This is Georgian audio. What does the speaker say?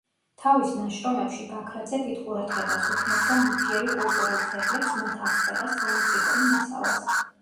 თავის ნაშრომებში ბაქრაძე დიდ ყურადღებას უთმობდა ნივთიერი კულტურულ ძეგლებს, მათ აღწერას, სალექსიკონო მასალას.